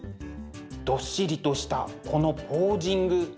どっしりとしたこのポージング。